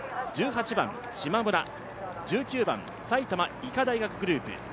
１８番、しまむら１９番、埼玉医科大学グループ。